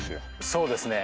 そうですね。